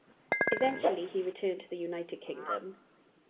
Eventually he returned to the United Kingdom.